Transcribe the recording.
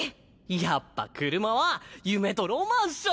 やっぱ車は夢とロマンっしょ。